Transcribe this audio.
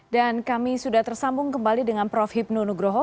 dan kami sudah tersambung kembali dengan prof hipnu nugroho